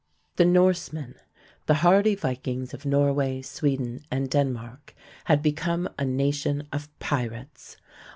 The Norsemen the hardy vikings of Norway, Sweden, and Denmark had become a nation of pirates.